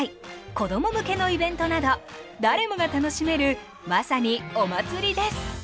子供向けのイベントなど誰もが楽しめるまさにお祭りです。